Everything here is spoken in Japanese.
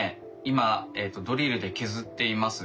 今ドリルで削っています。